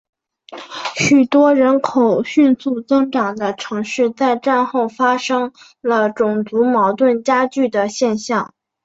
许多人口迅速增长的城市在战后发生了种族矛盾加剧的现象。